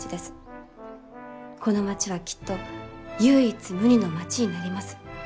この町はきっと唯一無二の町になります。